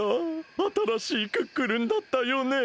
あたらしいクックルンだったよね。